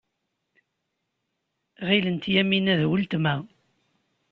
Ɣilent Yamina d weltma.